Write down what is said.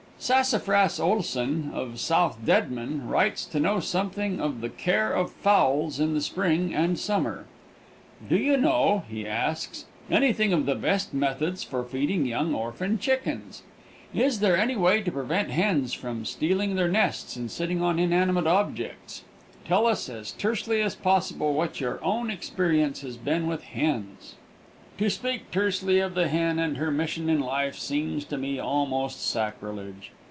Sassafras Oleson, of South Deadman, writes to know something of the care of fowls in the spring and summer. "Do you know," he asks, "anything of the best methods for feeding young orphan chickens? Is there any way to prevent hens from stealing their nests and sitting on inanimate objects? Tell us as tersely as possible what your own experience has been with hens." To speak tersely of the hen and her mission in life seems to me almost sacrilege.